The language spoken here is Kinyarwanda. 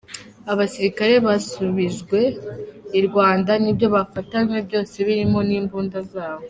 Abasirikare basubijwe i Rwanda n’ibyo bafatanywe byose birimo n’imbunda zabo.